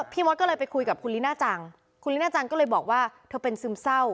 มดก็เลยไปคุยกับคุณลิน่าจังคุณลิน่าจังก็เลยบอกว่าเธอเป็นซึมเศร้า